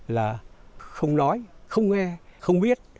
là không nói không nghe không biết